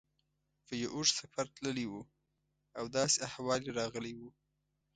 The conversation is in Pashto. په یو اوږد سفر تللی و او داسې احوال یې راغلی و.